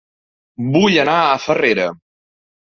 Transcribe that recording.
Vull anar a Farrera